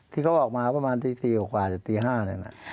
ที่เขาออกมาประมาณตี๔กว่าจะตี๕เนี่ยนะ